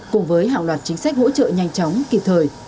cùng với hàng loạt chính sách hỗ trợ nhanh chóng kịp thời